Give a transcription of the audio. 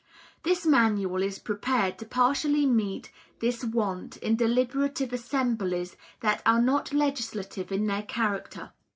This Manual is prepared to partially meet this want in deliberative assemblies that are not legislative in their character.